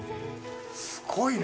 すごいね。